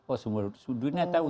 oh semuanya tahu